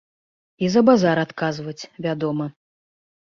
І за базар адказваць, вядома.